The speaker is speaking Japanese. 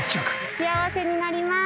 幸せになります。